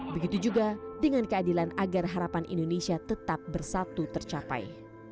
begitu juga dengan keadilan agar harapan indonesia tetap bersatu tercapai